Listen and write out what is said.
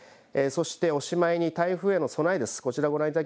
そしておしまいに台風への備えです。